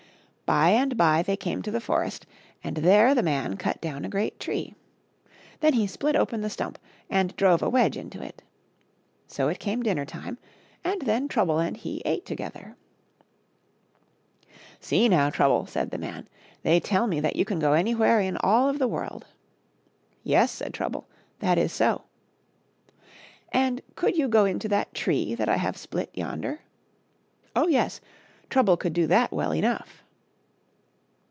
By and by they came to the forest, and there the man cut down a great tree. Then he split open the stump, and drove a wedge into it. So it came dinner time, and then Trouble and he ate together. 38 HOW ONE TURNED HIS TROUBLE TO SOME ACCOUNT. " See now, Trouble," said the man, " they tell me that you can go any. where in all of the world." " Yes," said Trouble, " that is so." And could you go into that tree that I have split yonder?" Oh, yes ; Trouble could do that well enough.